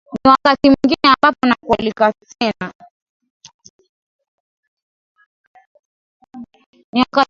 ni wakati mwingine ambapo nakualika tena